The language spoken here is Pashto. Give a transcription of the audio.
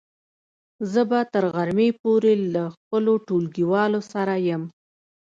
زه به تر غرمې پورې له خپلو ټولګیوالو سره يم.